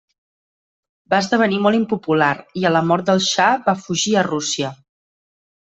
Va esdevenir molt impopular i a la mort del xa va fugir a Rússia.